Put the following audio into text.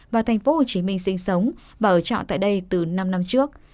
vào thành phố hồ chí minh sinh sống và ở trọng tại đây từ năm năm trước